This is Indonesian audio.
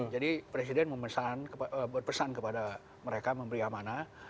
jadi presiden berpesan kepada mereka memberi amanah